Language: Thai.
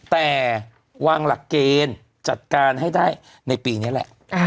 แต่วางหลักเกณฑ์จัดการให้ได้ในปีนี้แหละ